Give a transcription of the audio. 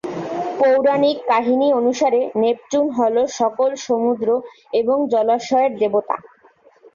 পৌরাণিক কাহিনী অনুসারে নেপচুন হল সকল সমুদ্র এবং জলাশয়ের দেবতা।